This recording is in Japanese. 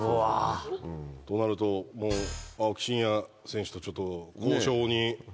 となるともう青木真也選手とちょっと交渉に。